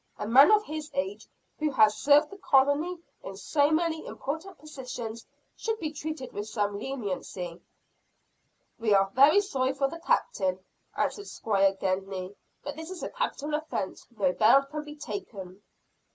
"A man of his age, who has served the colony in so many important positions, should be treated with some leniency." "We are very sorry for the Captain," answered Squire Gedney, "but as this is a capital offence, no bail can be taken."